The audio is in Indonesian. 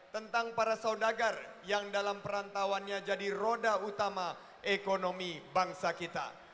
tentang para saudagar yang dalam perantauannya jadi roda utama ekonomi bangsa kita